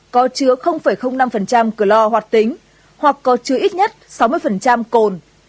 có chứa năm cửa lò hoạt tính hoặc có chứa ít nhất sáu mươi cồn